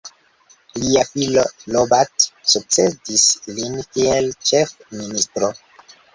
Lia filo Robert sukcedis lin kiel ĉef-ministro.